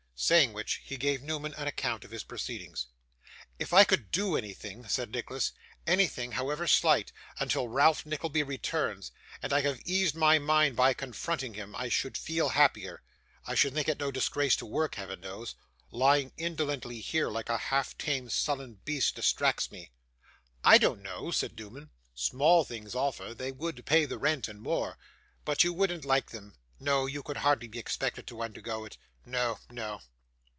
Saying which, he gave Newman an account of his proceedings. 'If I could do anything,' said Nicholas, 'anything, however slight, until Ralph Nickleby returns, and I have eased my mind by confronting him, I should feel happier. I should think it no disgrace to work, Heaven knows. Lying indolently here, like a half tamed sullen beast, distracts me.' 'I don't know,' said Newman; 'small things offer they would pay the rent, and more but you wouldn't like them; no, you could hardly be expected to undergo it no, no.